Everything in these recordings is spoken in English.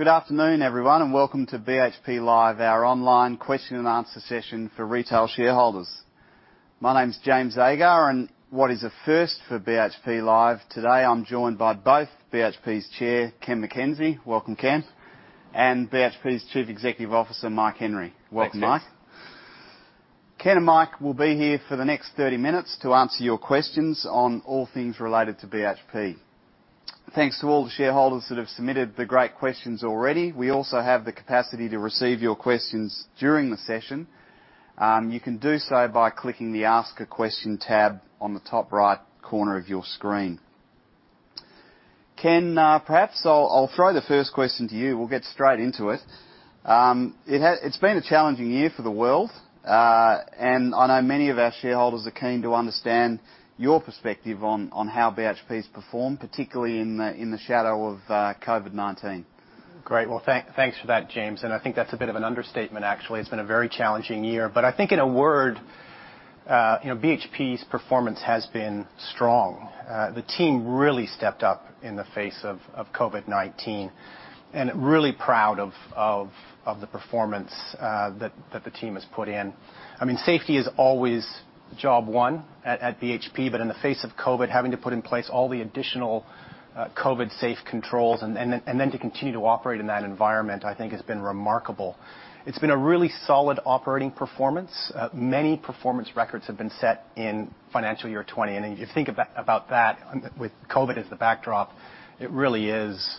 Good afternoon, everyone. Welcome to BHP Live, our online question and answer session for retail shareholders. My name's James Agar. What is a first for BHP Live, today, I'm joined by both BHP's Chair, Ken MacKenzie. Welcome, Ken. BHP's Chief Executive Officer, Mike Henry. Thanks, James. Welcome, Mike. Ken and Mike will be here for the next 30 minutes to answer your questions on all things related to BHP. Thanks to all the shareholders that have submitted the great questions already. We also have the capacity to receive your questions during the session. You can do so by clicking the Ask a Question tab on the top right corner of your screen. Ken, perhaps I'll throw the first question to you. We'll get straight into it. It's been a challenging year for the world, and I know many of our shareholders are keen to understand your perspective on how BHP's performed, particularly in the shadow of COVID-19. Great. Well, thanks for that, James. I think that's a bit of an understatement, actually. It's been a very challenging year. I think in a word, BHP's performance has been strong. The team really stepped up in the face of COVID-19, and really proud of the performance that the team has put in. Safety is always job one at BHP, but in the face of COVID, having to put in place all the additional COVID safe controls, and then to continue to operate in that environment, I think has been remarkable. It's been a really solid operating performance. Many performance records have been set in financial year 2020. If you think about that with COVID as the backdrop, it really is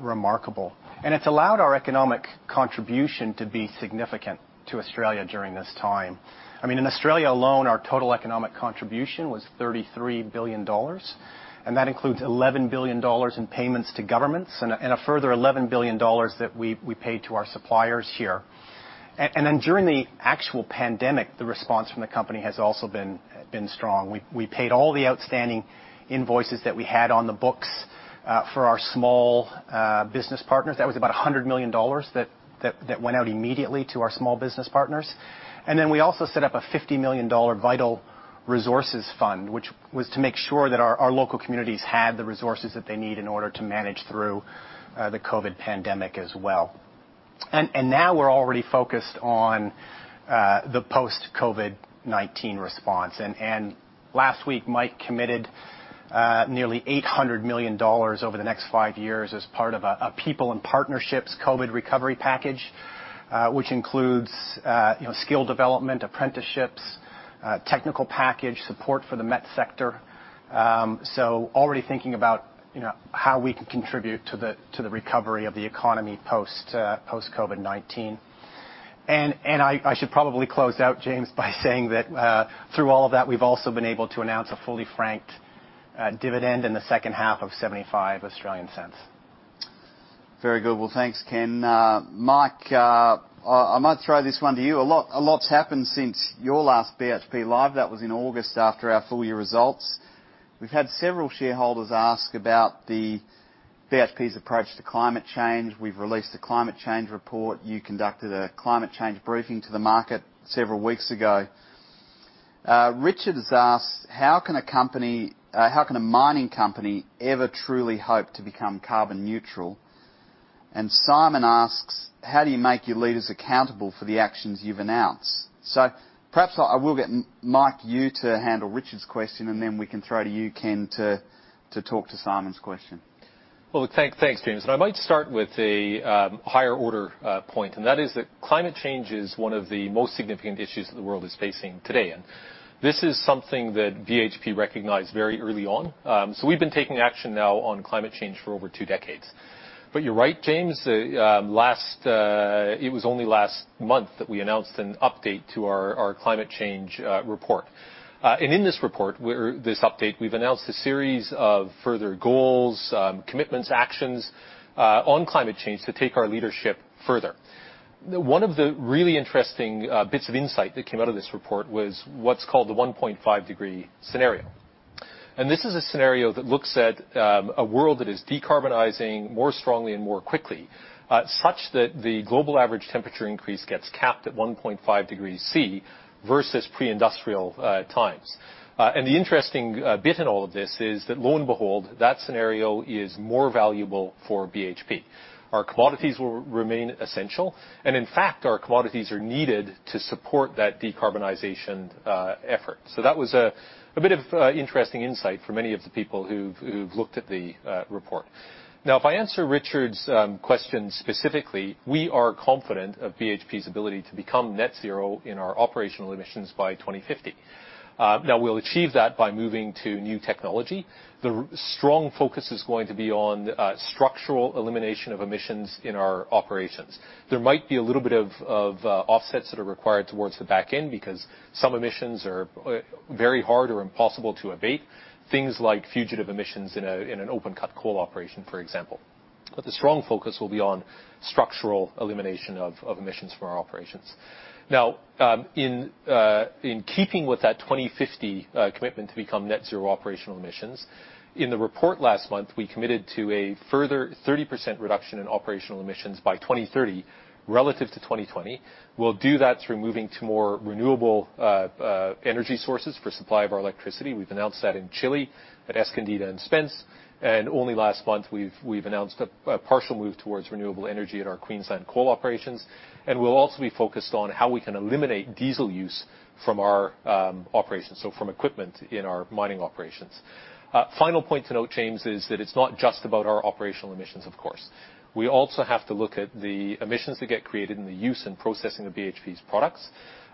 remarkable. It's allowed our economic contribution to be significant to Australia during this time. In Australia alone, our total economic contribution was $33 billion, and that includes $11 billion in payments to governments, and a further $11 billion that we paid to our suppliers here. During the actual pandemic, the response from the company has also been strong. We paid all the outstanding invoices that we had on the books for our small business partners. That was about $100 million that went out immediately to our small business partners. We also set up a $50 million Vital Resources Fund, which was to make sure that our local communities had the resources that they need in order to manage through the COVID pandemic as well. Now we're already focused on the post-COVID-19 response, and last week, Mike committed nearly $800 million over the next five years as part of a people and partnerships COVID recovery package, which includes skill development, apprenticeships, technical package support for the METS sector. Already thinking about how we can contribute to the recovery of the economy post-COVID-19. I should probably close out, James, by saying that through all of that, we've also been able to announce a fully franked dividend in the second half of 0.75. Very good. Thanks, Ken. Mike, I might throw this one to you. A lot's happened since your last BHP Live. That was in August after our full-year results. We've had several shareholders ask about the BHP's approach to climate change. We've released a climate change report. You conducted a climate change briefing to the market several weeks ago. Richard has asked, "How can a mining company ever truly hope to become carbon neutral?" And Simon asks, "How do you make your leaders accountable for the actions you've announced?" Perhaps I will get Mike, you, to handle Richard's question, and then we can throw to you, Ken, to talk to Simon's question. Well, thanks, James. I might start with a higher order point, and that is that climate change is one of the most significant issues that the world is facing today. This is something that BHP recognized very early on. We've been taking action now on climate change for over two decades. You're right, James. It was only last month that we announced an update to our climate change report. In this report, this update, we've announced a series of further goals, commitments, actions on climate change to take our leadership further. One of the really interesting bits of insight that came out of this report was what's called the 1.5 degree scenario. This is a scenario that looks at a world that is decarbonizing more strongly and more quickly, such that the global average temperature increase gets capped at 1.5 degrees C versus pre-industrial times. The interesting bit in all of this is that lo and behold, that scenario is more valuable for BHP. Our commodities will remain essential, and in fact, our commodities are needed to support that decarbonization effort. That was a bit of interesting insight for many of the people who've looked at the report. If I answer Richard's question specifically, we are confident of BHP's ability to become net zero in our operational emissions by 2050. We'll achieve that by moving to new technology. The strong focus is going to be on structural elimination of emissions in our operations. There might be a little bit of offsets that are required towards the back end because some emissions are very hard or impossible to abate, things like fugitive emissions in an open-cut coal operation, for example. The strong focus will be on structural elimination of emissions from our operations. Now, in keeping with that 2050 commitment to become net zero operational emissions, in the report last month, we committed to a further 30% reduction in operational emissions by 2030 relative to 2020. We'll do that through moving to more renewable energy sources for supply of our electricity. We've announced that in Chile, at Escondida and Spence. Only last month, we've announced a partial move towards renewable energy at our Queensland coal operations. We'll also be focused on how we can eliminate diesel use from our operations, so from equipment in our mining operations. Final point to note, James, is that it is not just about our operational emissions, of course. We also have to look at the emissions that get created in the use and processing of BHP's products.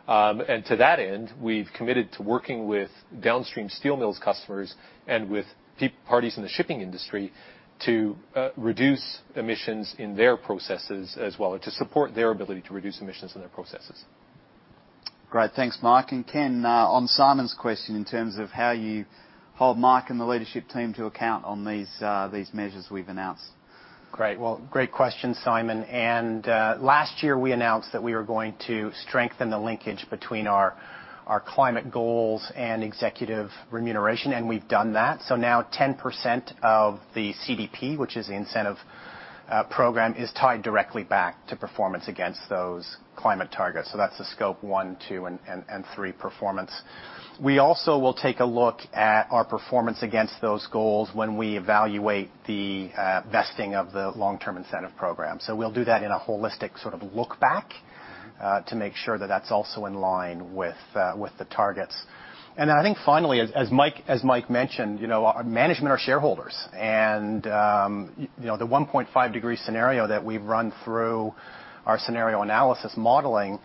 To that end, we have committed to working with downstream steel mills customers and with parties in the shipping industry to reduce emissions in their processes as well, or to support their ability to reduce emissions in their processes. Great. Thanks, Mike. Ken, on Simon's question in terms of how you hold Mike and the leadership team to account on these measures we've announced. Well, great question, Simon. Last year, we announced that we were going to strengthen the linkage between our climate goals and executive remuneration, and we have done that. Now 10% of the CDP, which is the incentive program, is tied directly back to performance against those climate targets. That is the Scope 1, 2, and 3 performance. We also will take a look at our performance against those goals when we evaluate the vesting of the long-term incentive program. We will do that in a holistic sort of look back to make sure that that is also in line with the targets. I think finally, as Mike mentioned, management are shareholders. The 1.5 degree scenario that we have run through our scenario analysis modeling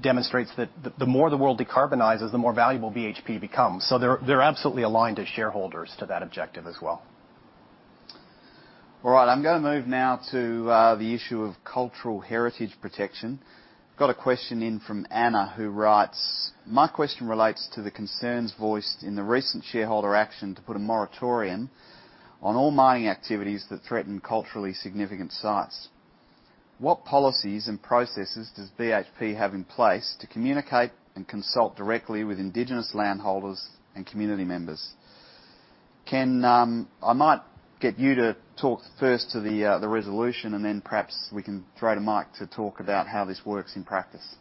demonstrates that the more the world decarbonizes, the more valuable BHP becomes. They are absolutely aligned as shareholders to that objective as well. All right. I'm going to move now to the issue of cultural heritage protection. Got a question in from Anna, who writes, "My question relates to the concerns voiced in the recent shareholder action to put a moratorium on all mining activities that threaten culturally significant sites. What policies and processes does BHP have in place to communicate and consult directly with indigenous land holders and community members?" Ken, I might get you to talk first to the resolution, and then perhaps we can throw to Mike to talk about how this works in practice.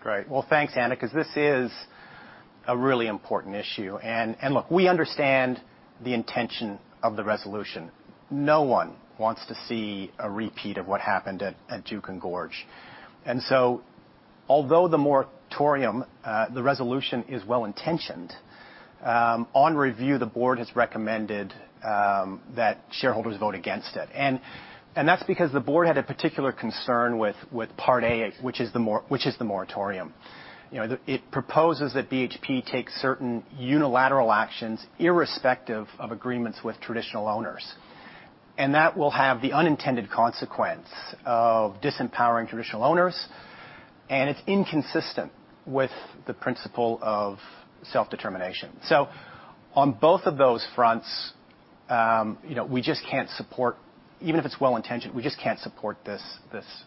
Great. Well, thanks, Anna, because this is a really important issue. Look, we understand the intention of the resolution. No one wants to see a repeat of what happened at Juukan Gorge. Although the moratorium, the resolution is well-intentioned, on review, the board has recommended that shareholders vote against it. That's because the board had a particular concern with Part A, which is the moratorium. It proposes that BHP take certain unilateral actions irrespective of agreements with traditional owners, and that will have the unintended consequence of disempowering traditional owners. It's inconsistent with the principle of self-determination. On both of those fronts, even if it's well-intentioned, we just can't support this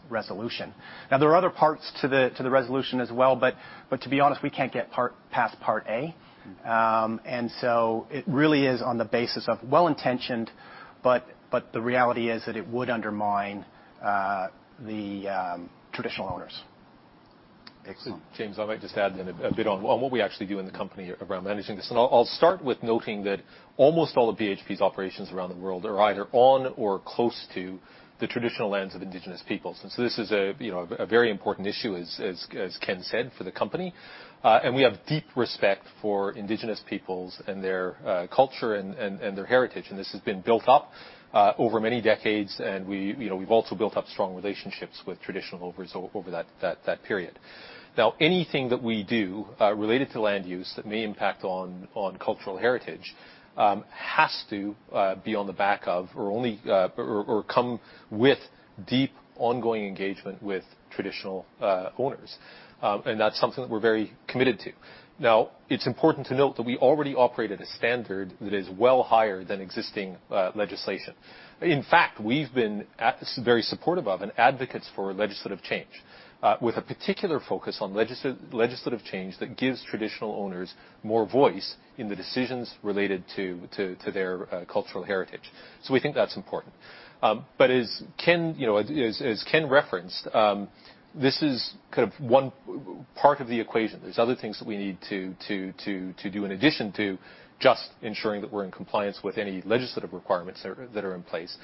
resolution. Now, there are other parts to the resolution as well, but to be honest, we can't get past Part A. It really is on the basis of well-intentioned, but the reality is that it would undermine the traditional owners. Excellent. James, I might just add in a bit on what we actually do in the company around managing this. I'll start with noting that almost all of BHP's operations around the world are either on or close to the traditional lands of indigenous peoples. This is a very important issue, as Ken said, for the company. We have deep respect for indigenous peoples and their culture and their heritage. This has been built up over many decades. We've also built up strong relationships with traditional owners over that period. Now, anything that we do related to land use that may impact on cultural heritage has to be on the back of or come with deep ongoing engagement with traditional owners. That's something that we're very committed to. It's important to note that we already operate at a standard that is well higher than existing legislation. In fact, we've been very supportive of and advocates for legislative change, with a particular focus on legislative change that gives traditional owners more voice in the decisions related to their cultural heritage. We think that's important. As Ken referenced, this is kind of one part of the equation. There's other things that we need to do in addition to just ensuring that we're in compliance with any legislative requirements that are in place.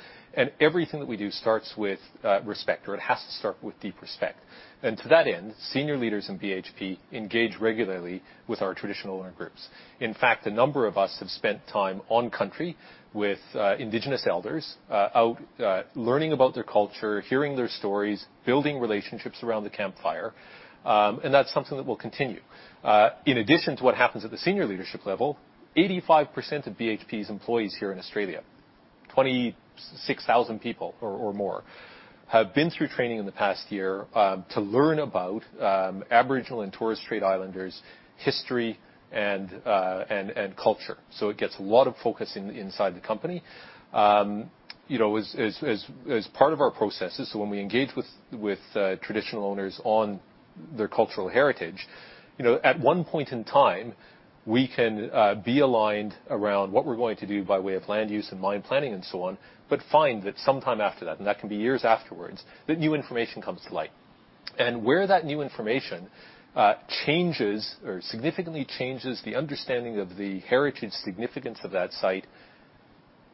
Everything that we do starts with respect, or it has to start with deep respect. To that end, senior leaders in BHP engage regularly with our traditional owner groups. In fact, a number of us have spent time on country with Indigenous elders, out learning about their culture, hearing their stories, building relationships around the campfire. That's something that will continue. In addition to what happens at the senior leadership level, 85% of BHP's employees here in Australia, 26,000 people or more, have been through training in the past year to learn about Aboriginal and Torres Strait Islander peoples' history and culture. It gets a lot of focus inside the company. As part of our processes, so when we engage with traditional owners on their cultural heritage, at one point in time, we can be aligned around what we're going to do by way of land use and mine planning and so on, but find that sometime after that, and that can be years afterwards, that new information comes to light. Where that new information changes or significantly changes the understanding of the heritage significance of that site.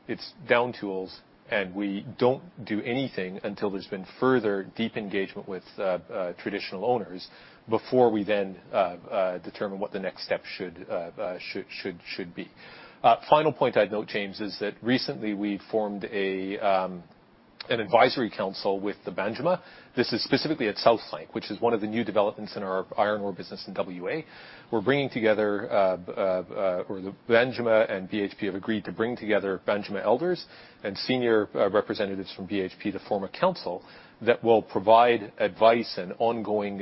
It's down tools, and we don't do anything until there's been further deep engagement with traditional owners before we then determine what the next step should be. Final point I'd note, James, is that recently we formed an advisory council with the Banjima. This is specifically at South Flank, which is one of the new developments in our iron ore business in W.A. Banjima and BHP have agreed to bring together Banjima elders and senior representatives from BHP to form a council that will provide advice and ongoing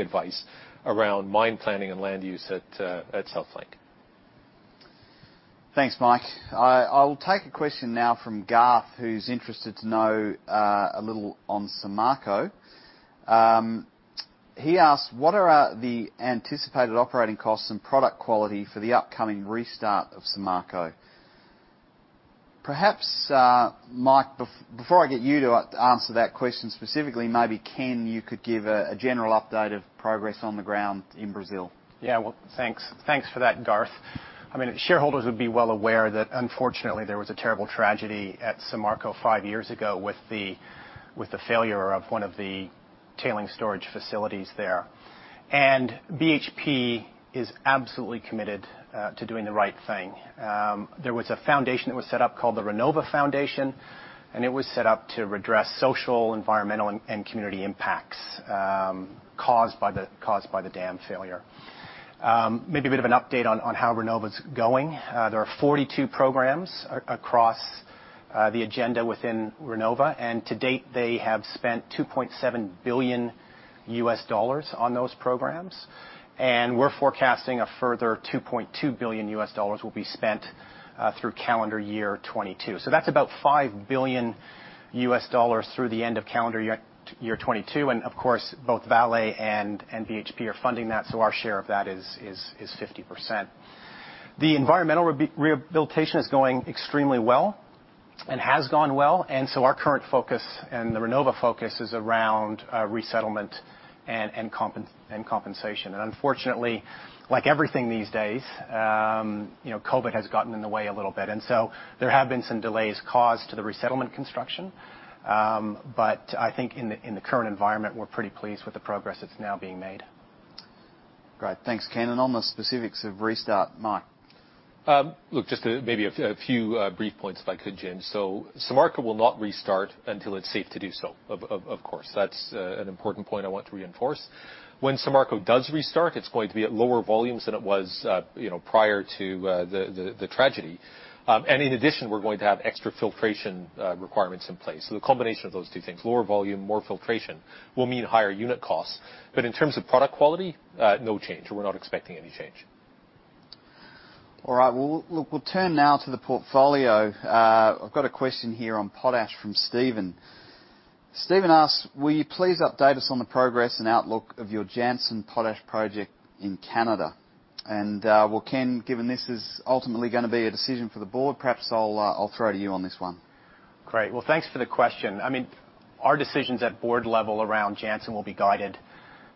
advice around mine planning and land use at South Flank. Thanks, Mike. I will take a question now from Garth, who's interested to know a little on Samarco. He asked, "What are the anticipated operating costs and product quality for the upcoming restart of Samarco?" Perhaps, Mike, before I get you to answer that question specifically, maybe Ken, you could give a general update of progress on the ground in Brazil. Well, thanks for that, Garth. Shareholders would be well aware that unfortunately there was a terrible tragedy at Samarco five years ago with the failure of one of the tailing storage facilities there. BHP is absolutely committed to doing the right thing. There was a foundation that was set up called the Renova Foundation. It was set up to redress social, environmental, and community impacts caused by the dam failure. Maybe a bit of an update on how Renova's going. There are 42 programs across the agenda within Renova. To date, they have spent $2.7 billion on those programs. We're forecasting a further $2.2 billion will be spent through calendar year 2022. That's about $5 billion through the end of calendar year 2022. Of course, both Vale and BHP are funding that. Our share of that is 50%. The environmental rehabilitation is going extremely well and has gone well, our current focus, and the Renova focus, is around resettlement and compensation. Unfortunately, like everything these days, COVID has gotten in the way a little bit. There have been some delays caused to the resettlement construction. I think in the current environment, we're pretty pleased with the progress that's now being made. Great. Thanks, Ken. On the specifics of restart, Mike? Look, just maybe a few brief points if I could, James. Samarco will not restart until it's safe to do so, of course. That's an important point I want to reinforce. When Samarco does restart, it's going to be at lower volumes than it was prior to the tragedy. In addition, we're going to have extra filtration requirements in place. The combination of those two things, lower volume, more filtration, will mean higher unit costs. In terms of product quality, no change. We're not expecting any change. All right. Well, look, we'll turn now to the portfolio. I've got a question here on potash from Steven. Steven asks, "Will you please update us on the progress and outlook of your Jansen Potash project in Canada?" Well, Ken, given this is ultimately going to be a decision for the board, perhaps I'll throw to you on this one. Great. Well, thanks for the question. Our decisions at board level around Jansen will be guided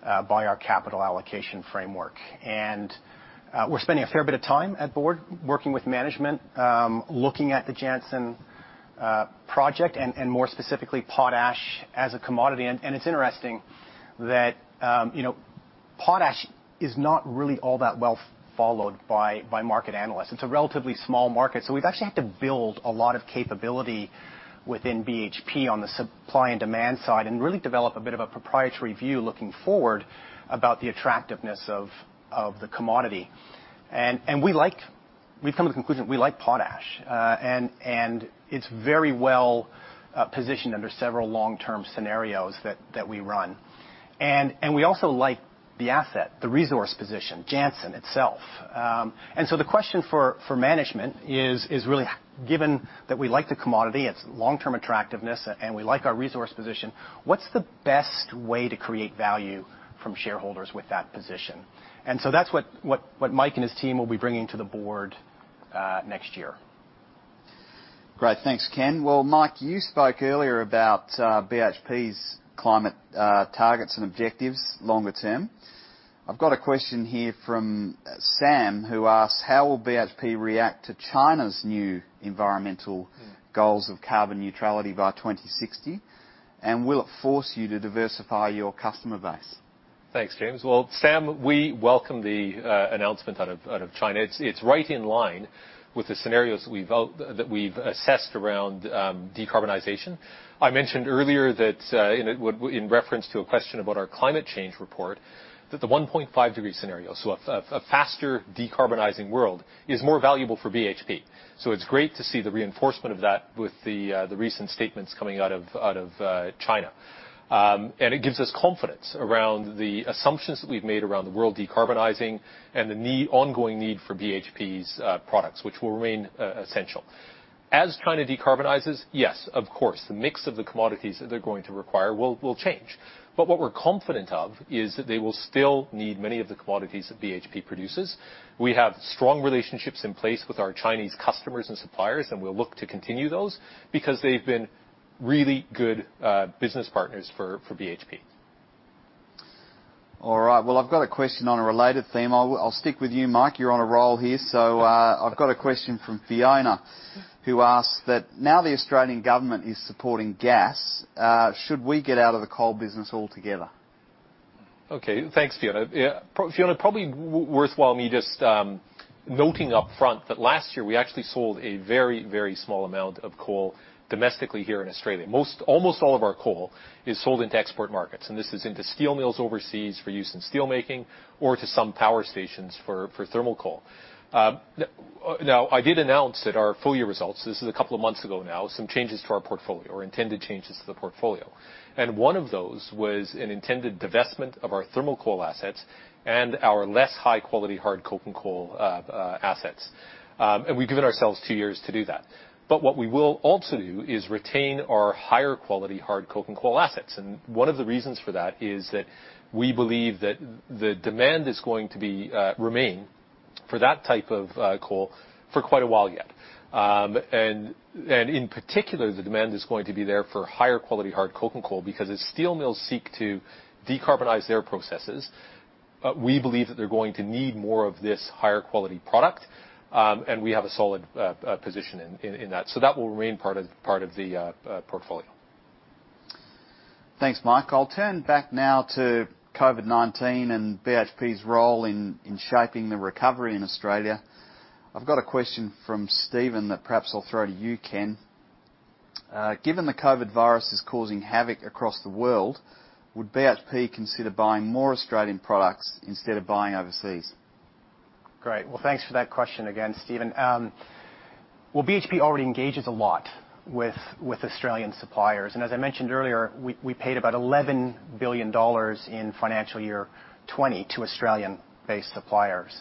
by our capital allocation framework. We're spending a fair bit of time at board working with management, looking at the Jansen project, and more specifically, potash as a commodity. It's interesting that potash is not really all that well followed by market analysts. It's a relatively small market, so we've actually had to build a lot of capability within BHP on the supply and demand side and really develop a bit of a proprietary view looking forward about the attractiveness of the commodity. We've come to the conclusion we like potash. It's very well positioned under several long-term scenarios that we run. We also like the asset, the resource position, Jansen itself. The question for management is really, given that we like the commodity, its long-term attractiveness, and we like our resource position, what's the best way to create value from shareholders with that position? That's what Mike and his team will be bringing to the board next year. Great. Thanks, Ken. Well, Mike, you spoke earlier about BHP's climate targets and objectives longer term. I've got a question here from Sam, who asks, "How will BHP react to China's new environmental goals of carbon neutrality by 2060? Will it force you to diversify your customer base? Thanks, James. Sam, we welcome the announcement out of China. It's right in line with the scenarios that we've assessed around decarbonization. I mentioned earlier that, in reference to a question about our climate change report, that the 1.5 degree scenario, so a faster decarbonizing world, is more valuable for BHP. It's great to see the reinforcement of that with the recent statements coming out of China. It gives us confidence around the assumptions that we've made around the world decarbonizing and the ongoing need for BHP's products, which will remain essential. As China decarbonizes, yes, of course, the mix of the commodities that they're going to require will change. What we're confident of is that they will still need many of the commodities that BHP produces. We have strong relationships in place with our Chinese customers and suppliers, and we'll look to continue those because they've been really good business partners for BHP. All right. Well, I've got a question on a related theme. I'll stick with you, Mike. You're on a roll here. I've got a question from Fiona, who asks that, "Now the Australian government is supporting gas, should we get out of the coal business altogether? Okay. Thanks, Fiona. Yeah, Fiona, probably worthwhile me just noting up front that last year, we actually sold a very, very small amount of coal domestically here in Australia. Almost all of our coal is sold into export markets, and this is into steel mills overseas for use in steel making, or to some power stations for thermal coal. Now, I did announce at our full-year results, this is a couple of months ago now, some changes to our portfolio, or intended changes to the portfolio. One of those was an intended divestment of our thermal coal assets and our less high-quality hard coking coal assets. We've given ourselves two years to do that. What we will also do is retain our higher quality hard coking coal assets. One of the reasons for that is that we believe that the demand is going to remain for that type of coal for quite a while yet. In particular, the demand is going to be there for higher quality hard coking coal because as steel mills seek to decarbonize their processes, we believe that they're going to need more of this higher quality product, and we have a solid position in that. That will remain part of the portfolio. Thanks, Mike. I'll turn back now to COVID-19 and BHP's role in shaping the recovery in Australia. I've got a question from Steven that perhaps I'll throw to you, Ken. Given the COVID virus is causing havoc across the world, would BHP consider buying more Australian products instead of buying overseas? Great. Thanks for that question again, Steven. As I mentioned earlier, we paid about $11 billion in FY 2020 to Australian-based suppliers.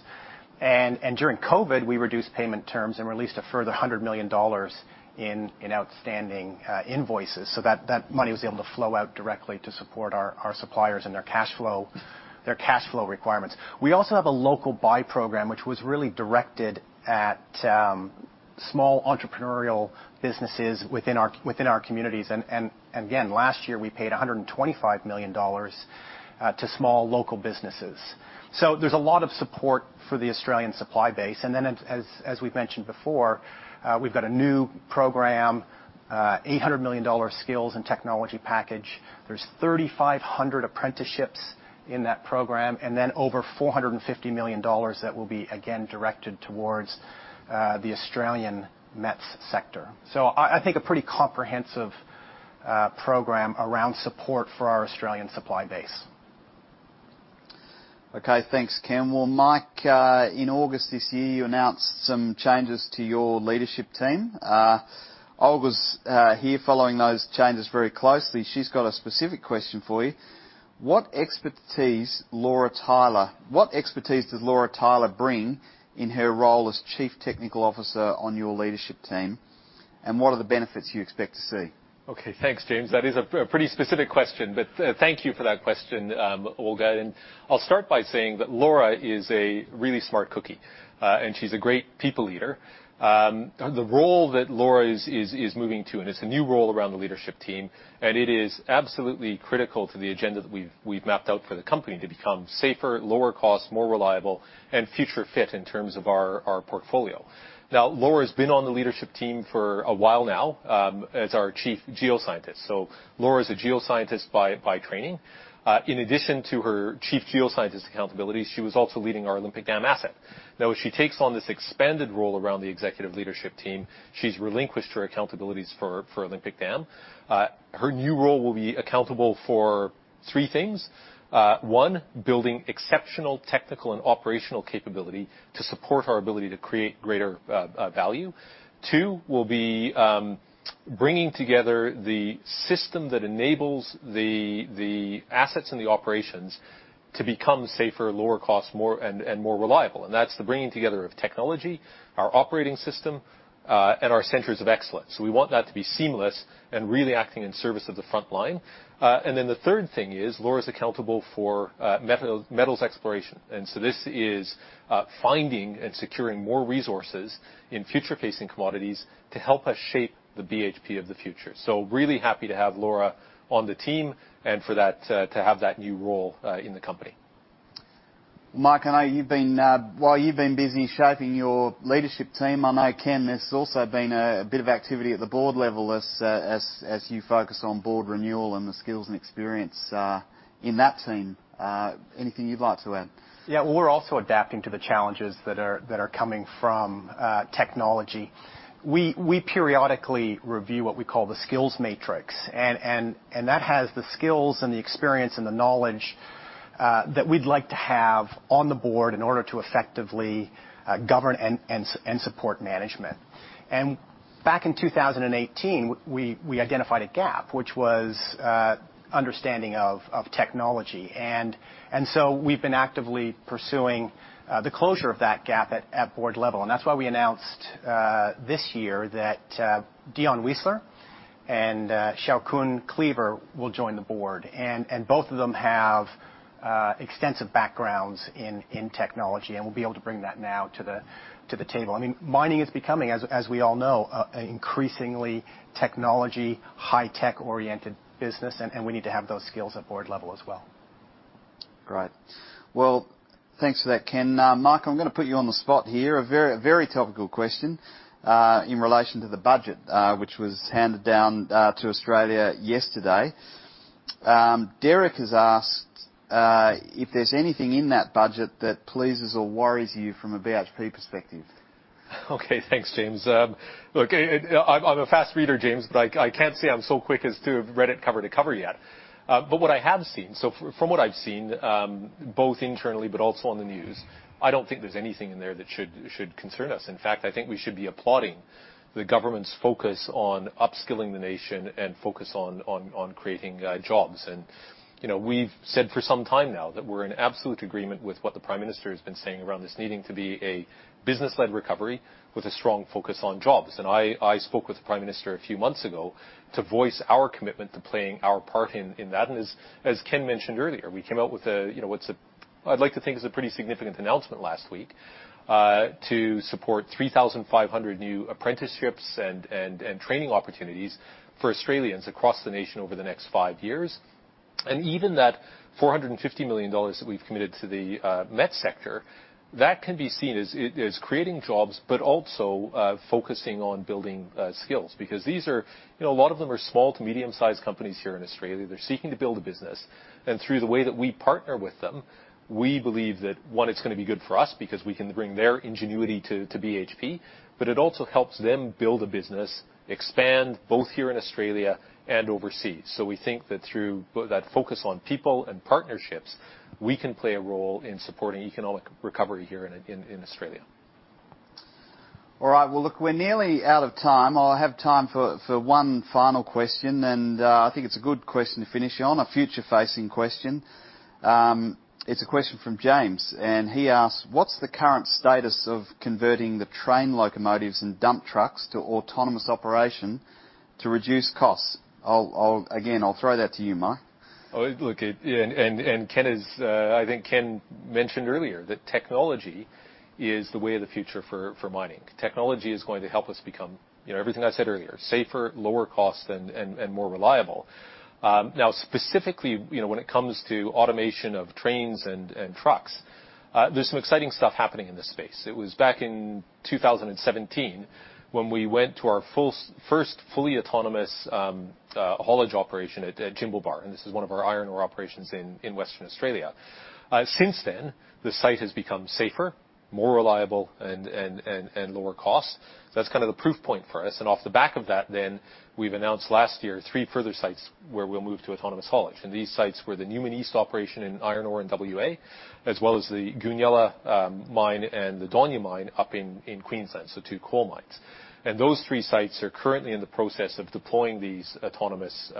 During COVID, we reduced payment terms and released a further $100 million in outstanding invoices. That money was able to flow out directly to support our suppliers and their cash flow requirements. We also have a local buy program, which was really directed at small entrepreneurial businesses within our communities. Again, last year, we paid $125 million to small local businesses. There's a lot of support for the Australian supply base. As we've mentioned before, we've got a new program, $800 million skills and technology package. There's 3,500 apprenticeships in that program, and then over $450 million that will be again directed towards the Australian METS sector. I think a pretty comprehensive program around support for our Australian supply base. Okay, thanks, Ken. Well, Mike, in August this year, you announced some changes to your leadership team. Olga's here following those changes very closely. She's got a specific question for you. What expertise does Laura Tyler bring in her role as Chief Technical Officer on your leadership team, and what are the benefits you expect to see? Okay, thanks, James. That is a pretty specific question, but thank you for that question, Olga. I'll start by saying that Laura is a really smart cookie, and she's a great people leader. The role that Laura is moving to, and it's a new role around the leadership team, and it is absolutely critical to the agenda that we've mapped out for the company to become safer, lower cost, more reliable, and future fit in terms of our portfolio. Now, Laura's been on the leadership team for a while now, as our Chief Geoscientist. Laura is a geoscientist by training. In addition to her Chief Geoscientist accountability, she was also leading our Olympic Dam asset. Now, as she takes on this expanded role around the executive leadership team, she's relinquished her accountabilities for Olympic Dam. Her new role will be accountable for three things. One, building exceptional technical and operational capability to support our ability to create greater value. Two will be bringing together the system that enables the assets and the operations to become safer, lower cost, and more reliable. That's the bringing together of technology, our operating system, and our centers of excellence. We want that to be seamless and really acting in service of the front line. The third thing is Laura's accountable for metals exploration. This is finding and securing more resources in future-facing commodities to help us shape the BHP of the future. Really happy to have Laura on the team and to have that new role in the company. Mike, while you've been busy shaping your leadership team, I know, Ken, there's also been a bit of activity at the board level as you focus on board renewal and the skills and experience in that team. Anything you'd like to add? Yeah. Well, we're also adapting to the challenges that are coming from technology. We periodically review what we call the skills matrix, and that has the skills and the experience and the knowledge that we'd like to have on the board in order to effectively govern and support management. Back in 2018, we identified a gap, which was understanding of technology. So we've been actively pursuing the closure of that gap at board level. That's why we announced this year that Dion Weisler and Xiaoqun Clever will join the board. Both of them have extensive backgrounds in technology, and will be able to bring that now to the table. Mining is becoming, as we all know, an increasingly technology, high-tech-oriented business, and we need to have those skills at board level as well. Great. Well, thanks for that, Ken. Now, Mike, I'm going to put you on the spot here. A very topical question in relation to the budget, which was handed down to Australia yesterday. Derek has asked if there's anything in that budget that pleases or worries you from a BHP perspective. Okay. Thanks, James. Look, I'm a fast reader, James, but I can't say I'm so quick as to have read it cover to cover yet. What I have seen, from what I've seen, both internally but also on the news, I don't think there's anything in there that should concern us. In fact, I think we should be applauding the government's focus on upskilling the nation and focus on creating jobs. We've said for some time now that we're in absolute agreement with what the Prime Minister has been saying around this needing to be a business-led recovery with a strong focus on jobs. I spoke with the Prime Minister a few months ago to voice our commitment to playing our part in that. As Ken mentioned earlier, we came out with what I'd like to think was a pretty significant announcement last week, to support 3,500 new apprenticeships and training opportunities for Australians across the nation over the next five years. Even that $450 million that we've committed to the METS sector, that can be seen as creating jobs, but also focusing on building skills. Because a lot of them are small to medium-sized companies here in Australia. They're seeking to build a business. Through the way that we partner with them, we believe it's going to be good for us because we can bring their ingenuity to BHP, but it also helps them build a business, expand, both here in Australia and overseas. We think that through that focus on people and partnerships, we can play a role in supporting economic recovery here in Australia. All right. Well, look, we're nearly out of time. I'll have time for one final question, and I think it's a good question to finish on, a future-facing question. It's a question from James, and he asks, "What's the current status of converting the train locomotives and dump trucks to autonomous operation to reduce costs?" Again, I'll throw that to you, Mike. Ken mentioned earlier that technology is the way of the future for mining. Technology is going to help us become everything I said earlier, safer, lower cost, and more reliable. Specifically, when it comes to automation of trains and trucks, there's some exciting stuff happening in this space. It was back in 2017 when we went to our first fully autonomous haulage operation at Jimblebar, and this is one of our iron ore operations in Western Australia. Since then, the site has become safer, more reliable, and lower cost. That's kind of the proof point for us. Off the back of that, we've announced last year three further sites where we'll move to autonomous haulage, and these sites were the Newman East operation in iron ore in W.A., as well as the Goonyella mine and the Daunia mine up in Queensland, so two coal mines. Those three sites are currently in the process of deploying these autonomous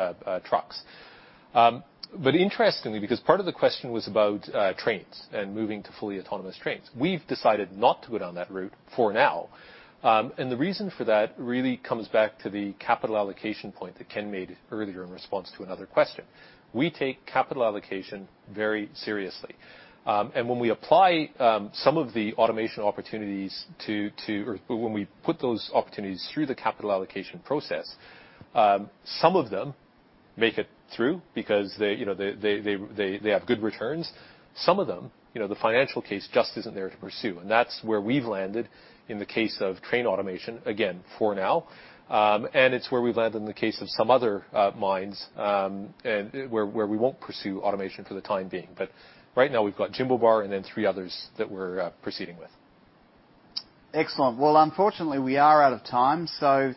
trucks. Interestingly, because part of the question was about trains and moving to fully autonomous trains. We've decided not to go down that route, for now. The reason for that really comes back to the capital allocation point that Ken made earlier in response to another question. We take capital allocation very seriously. When we apply some of the automation opportunities, or when we put those opportunities through the capital allocation process, some of them make it through because they have good returns. Some of them, the financial case just isn't there to pursue, that's where we've landed in the case of train automation, again, for now. It's where we've landed in the case of some other mines, where we won't pursue automation for the time being. Right now we've got Jimblebar and then three others that we're proceeding with. Excellent. Well, unfortunately, we are out of time.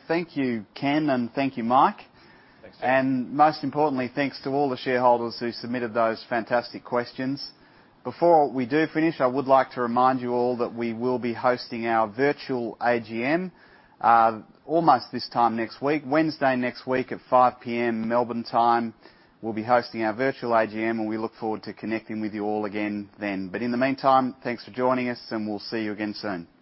Thank you, Ken, and thank you, Mike. Thanks, James. Most importantly, thanks to all the shareholders who submitted those fantastic questions. Before we do finish, I would like to remind you all that we will be hosting our virtual AGM almost this time next week. Wednesday next week at 5:00 P.M. Melbourne time, we'll be hosting our virtual AGM, and we look forward to connecting with you all again then. In the meantime, thanks for joining us, and we'll see you again soon. Thanks.